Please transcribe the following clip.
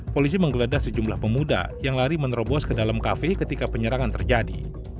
polisi menggeledah sejumlah pemuda yang lari menerobos ke dalam kafe ketika penyerangan terjadi